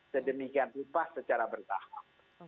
sedemikian rupa secara bertahan oke